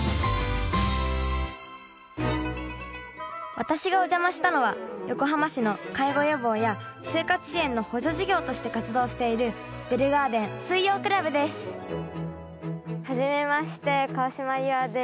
私がお邪魔したのは横浜市の介護予防や生活支援の補助事業として活動しているベルガーデン水曜クラブですはじめまして川島夕空です。